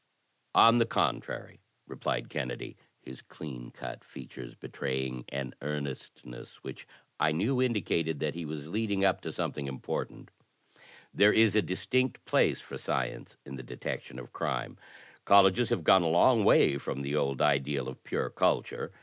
0n the contrary," replied Kennedy, his cleancut features betraying an earnestness which I knew indicated that he was leading up to something important, there is a distinct place for science in the detection of crime. Colleges have gone a long way from the old ideal of pure culture.